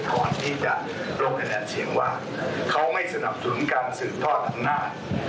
ก่อนที่จะลงคะแนนเสียงว่าเขาไม่สนับสนุนการสืบทอดอำนาจ